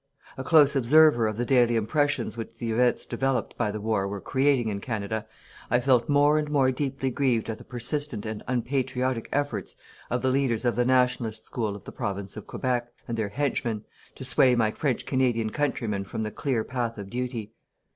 A close observer of the daily impressions which the events developed by the war were creating in Canada, I felt more and more deeply grieved at the persistent and unpatriotic efforts of the leaders of the Nationalist school of the Province of Quebec, and their henchmen, to sway my French Canadian countrymen from the clear path of duty.